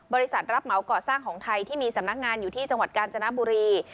รับเหมาก่อสร้างของไทยที่มีสำนักงานอยู่ที่จังหวัดกาญจนบุรี